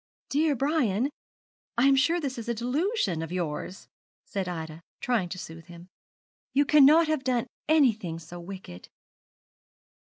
'Dear Brian, I am sure this is a delusion of yours,' said Ida, trying to soothe him; 'you cannot have done anything so wicked.'